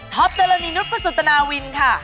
ท็อปเจรนีนุทธ์ประสุทนาวินค่ะ